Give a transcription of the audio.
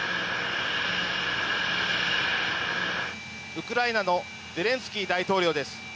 ウクライナのゼレンスキー大統領です。